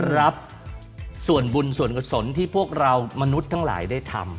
รับส่วนบุญส่วนกษลที่พวกเรามนุษย์ทั้งหลายได้ทำ